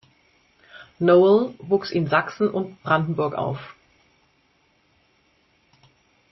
Noel wuchs in Sachsen und Brandenburg auf.